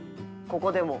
ここでも。